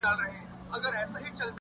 د وخت په تېرېدو هر څه بدلېږي خو ياد نه,